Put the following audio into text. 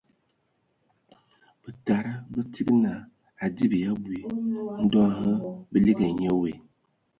Bǝtada bə tsig naa a adzib ya abui. Ndɔ hm bə ligi ai nye we.